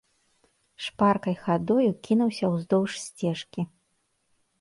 Шпаркай хадою кінуўся ўздоўж сцежкі.